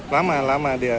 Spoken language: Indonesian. lama lama dia